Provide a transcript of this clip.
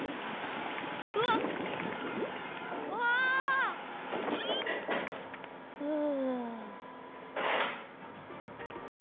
うわっ！うわ！ふう。